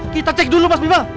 kita cek dulu mas bima